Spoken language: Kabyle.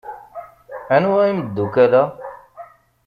Anwa imeddukal-a?